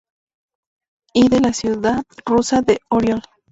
Y de la ciudad rusa de Oriol.